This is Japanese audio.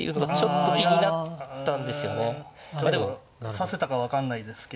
指せたか分かんないですけど。